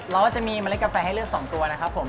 เราจะมีเมล็ดกาแฟให้เลือก๒ตัวนะครับผม